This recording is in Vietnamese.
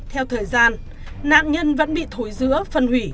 theo thời gian nạn nhân vẫn bị thối dữa phân hủy